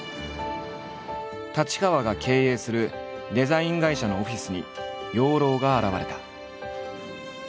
太刀川が経営するデザイン会社のオフィスに養老が現れた。